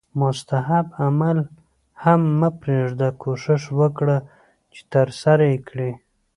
مستحب عمل هم مه پریږده کوښښ وکړه چې ترسره یې کړې